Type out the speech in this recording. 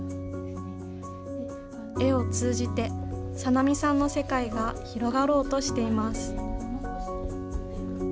絵を通じて、さなみさんの世界が広がろうとしています。